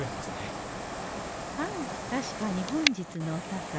はい確かに本日のお宝